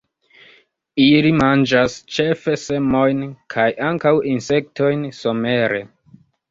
Ili manĝas ĉefe semojn, kaj ankaŭ insektojn somere.